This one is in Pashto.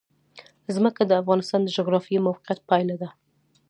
ځمکه د افغانستان د جغرافیایي موقیعت پایله ده.